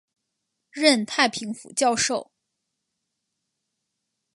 任太平府教授。